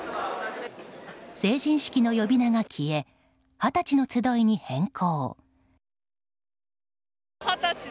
成人式の呼び名が消え「はたちのつどい」に変更。